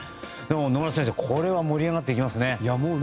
野村先生これは盛り上がってきますね。